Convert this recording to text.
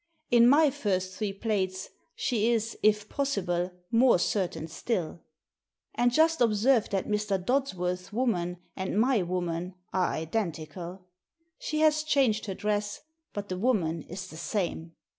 In my first three plates she is, if possible, more certain still. And just ob serve that Mr. Dodsworth's woman and my woman are identical; she has changed her dress, but the woman is the same.